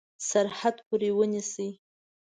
سرحد پوري ونیسي.